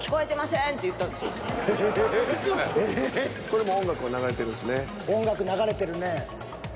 これもう音楽は流れてるんですね。